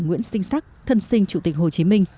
nguyễn sinh sắc thân sinh chủ tịch hồ chí minh